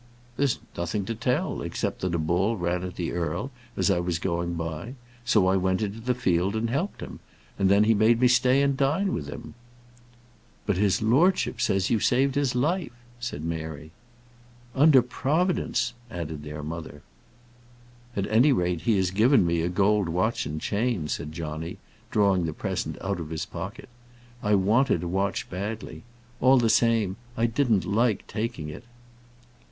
"There's nothing to tell, except that a bull ran at the earl, as I was going by; so I went into the field and helped him, and then he made me stay and dine with him." "But his lordship says that you saved his life," said Mary. "Under Providence," added their mother. "At any rate, he has given me a gold watch and chain," said Johnny, drawing the present out of his pocket. "I wanted a watch badly. All the same, I didn't like taking it."